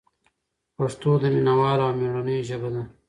پښتو د مینه والو او مېړنیو ژبه ده.